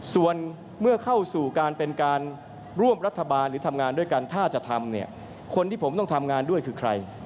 ส่วนเมื่อเข้าสู่การเป็นการร่วมรัฐบาลหรือทำงานด้วยกันถ้าจะทำเนี่ยคนที่ผมต้องทำงานด้วยคือใคร